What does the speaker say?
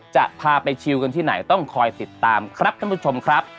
จะพาไปชิวกันที่ไหนต้องคอยติดตามครับท่านผู้ชมครับ